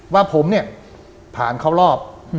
ว่าผมเนี่ยผ่านเข้ารอบ